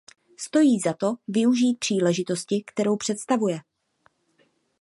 Stojí za to využít příležitosti, kterou představuje.